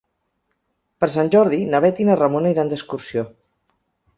Per Sant Jordi na Bet i na Ramona iran d'excursió.